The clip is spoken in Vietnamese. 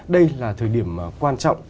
đây là thời điểm quan trọng